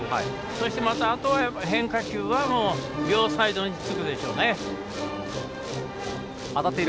そしてあとは変化球は両サイドを突くでしょうね。